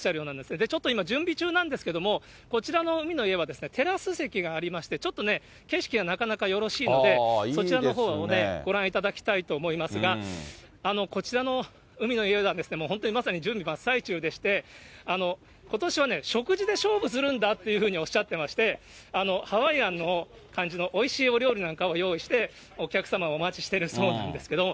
で、ちょっと今、準備中なんですけれども、こちらの海の家はテラス席がありまして、ちょっと景色がなかなかよろしいので、そちらのほうをご覧いただきたいと思いますが、こちらの海の家は本当にまさに準備、真っ最中でして、ことしはね、食事で勝負するんだっていうふうにおっしゃってまして、ハワイアンの感じのおいしいお料理なんかを用意して、お客様をお待ちしてるそうなんですけれども。